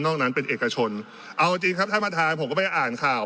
นั้นเป็นเอกชนเอาจริงครับท่านประธานผมก็ไปอ่านข่าว